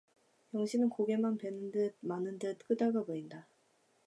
영신은 고개만 뵈는 듯 마는 듯 끄덕여 보인다.